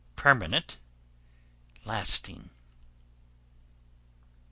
Permanent, lasting.